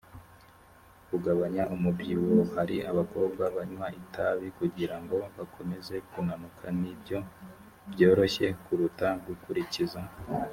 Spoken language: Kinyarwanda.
kugabanya umubyibuho hari abakobwa banywa itabi kugira ngo bakomeze kunanuka ni byo byoroshye kuruta gukurikiza